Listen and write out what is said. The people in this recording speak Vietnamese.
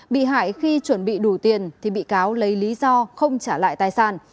bị hải khi chuẩn bị đủ tiền thì bị cáo lấy lý do không trả lại tài sản